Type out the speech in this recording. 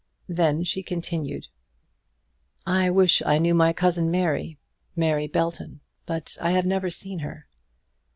Then she continued, "I wish I knew my cousin Mary, Mary Belton; but I have never seen her."